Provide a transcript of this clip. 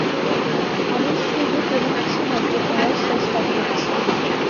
আমি শুধু তোমাকে সাহায্য করার চেষ্টা করছি!